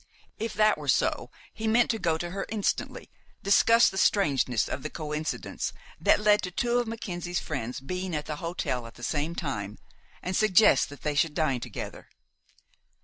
If that were so, he meant to go to her instantly, discuss the strangeness of the coincidence that led to two of Mackenzie's friends being at the hotel at the same time, and suggest that they should dine together.